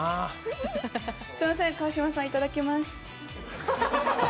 すみません、川島さんいただきます。